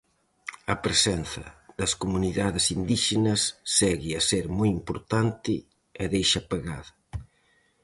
A presenza das comunidades indíxenas segue a ser moi importante e deixa pegada.